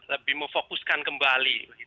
lebih memfokuskan kembali